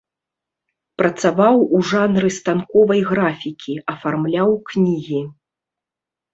Працаваў у жанры станковай графікі, афармляў кнігі.